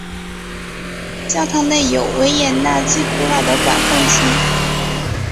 教堂内有维也纳最古老的管风琴。